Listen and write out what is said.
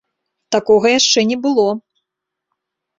Такога яшчэ не было!